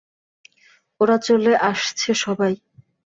ওরা চলে আসছে সবাই!